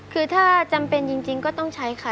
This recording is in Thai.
คือถ้าจำเป็นจริงก็ต้องใช้ค่ะ